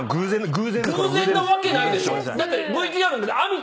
偶然なわけないでしょ！だって。